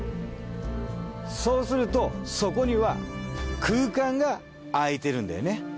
そうするとそこには空間が開いてるんだよね。